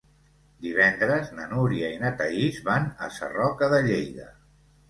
Divendres na Núria i na Thaís van a Sarroca de Lleida.